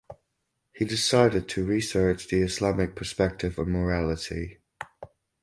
He decided to research the Islamic perspective on morality.